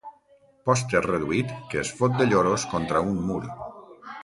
Pòster reduït que es fot de lloros contra un mur.